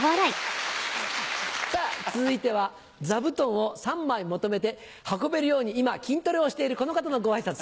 続いては座布団を３枚まとめて運べるように今筋トレをしているこの方のご挨拶。